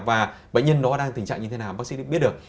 và bệnh nhân nó đang tình trạng như thế nào bác sĩ biết được